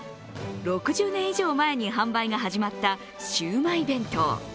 ６０年以上前に販売が始まったシウマイ弁当。